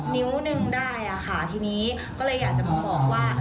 นิ้วหนึ่งได้ค่ะทีนี้ก็เลยอยากจะมาบอกว่า